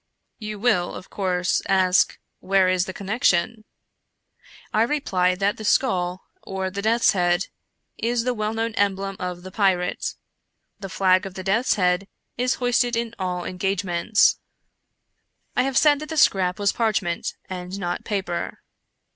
You will, of course, ask ' where is the connection ?' I reply that the skull, or death's head, is the well known emblem of the pirate. The flag of the death's head is hoisted in all engage ments. " I have said that the scrap was parchment, and not paper.